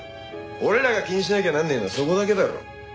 俺らが気にしなきゃなんねえのはそこだけだろ。